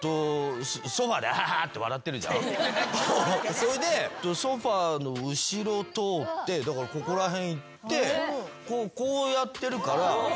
それでソファーの後ろ通ってだからここら辺行ってこうやってるからここ。